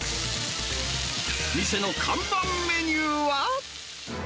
店の看板メニューは。